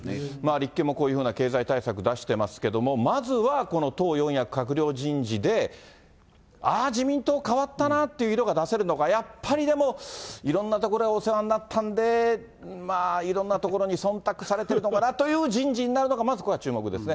立憲もこういうような経済対策を出してますけど、まずはこの党四役閣僚人事で、あー、自民党変わったなっていう色を出せるのか、やっぱりでも、いろんなところでお世話になったんで、まあ、いろんなところにそんたくされてるのかなという人事になるのか、まずこれは注目ですね。